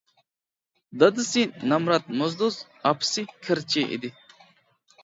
دادىسى نامرات موزدۇز، ئاپىسى كىرچى ئىدى.